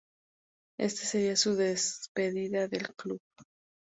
Este sería su despedida del club.